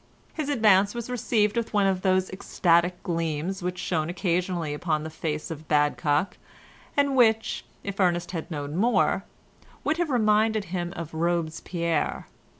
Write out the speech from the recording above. His advance was received with one of those ecstatic gleams which shone occasionally upon the face of Badcock, and which, if Ernest had known more, would have reminded him of Robespierre.